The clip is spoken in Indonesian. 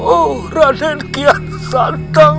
oh raden kian santang